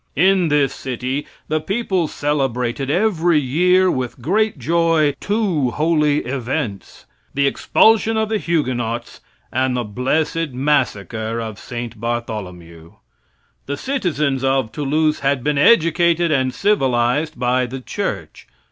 In this city the people celebrated every year with great joy two holy events: The expulsion of the Huguenots and the blessed massacre of St. Bartholomew. The citizens of Toulouse had been educated and civilized by the church.